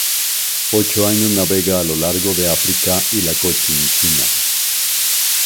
Ocho años navega a lo largo de África y la Cochinchina.